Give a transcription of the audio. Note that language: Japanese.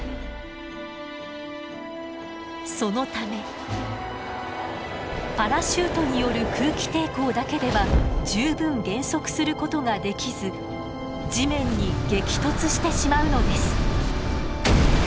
そのためパラシュートによる空気抵抗だけでは十分減速することができず地面に激突してしまうのです。